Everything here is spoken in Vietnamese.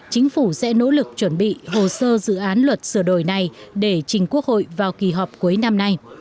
chính phủ sẽ nỗ lực chuẩn bị hồ sơ dự án luật sửa đổi này để trình quốc hội vào kỳ họp cuối năm nay